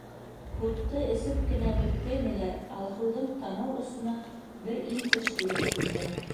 Һутты эсеп кенә бөткәйнеләр, Алһыуҙың танау осона бер иңкеш килеп ҡунды.